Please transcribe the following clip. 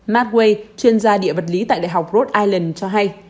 mark way chuyên gia địa vật lý tại đại học rhode island cho hay